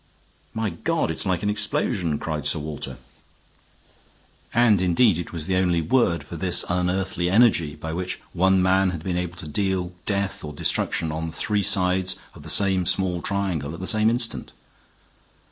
"My God! it's like an explosion!" cried Sir Walter; and indeed it was the only word for this unearthly energy, by which one man had been able to deal death or destruction on three sides of the same small triangle at the same instant.